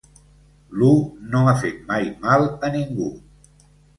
L'u no ha fet mai mal a ningú.